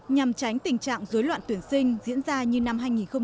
nhằm tránh tình trạng dối loạn tuyển sinh diễn ra như năm hai nghìn một mươi năm